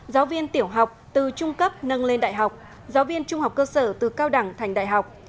giáo viên tiểu học từ trung cấp nâng lên đại học giáo viên trung học cơ sở từ cao đẳng thành đại học